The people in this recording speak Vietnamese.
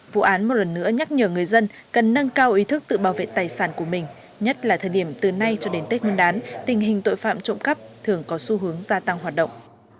vụ án một lần nữa nhắc nhở người dân cần nâng cao ý thức tự bảo vệ tài sản của mình nhất là thời điểm từ nay cho đến tết nguyên đán tình hình tội phạm trộm cắp thường có xu hướng gia tăng hoạt động